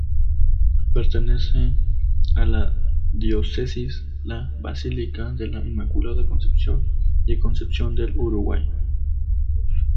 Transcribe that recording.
Pertenece a la diócesis la basílica de la Inmaculada Concepción, de Concepción del Uruguay.